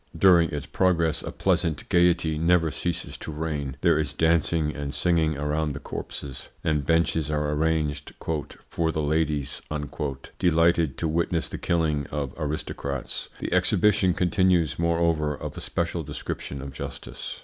During its progress a pleasant gaiety never ceases to reign. There is dancing and singing around the corpses, and benches are arranged "for the ladies," delighted to witness the killing of aristocrats. The exhibition continues, moreover, of a special description of justice.